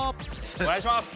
お願いします。